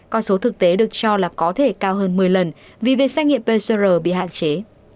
con số thực tế được cho là có thể cao hơn một mươi lần vì việc xét nghiệm pcr bị hạn chế